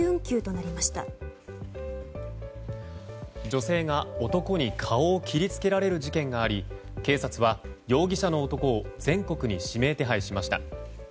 女性が男に顔を切りつけられる事件があり警察は容疑者の男を全国に指名手配しました。